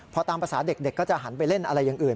พอตามภาษาเด็กก็จะหันไปเล่นอะไรอย่างอื่น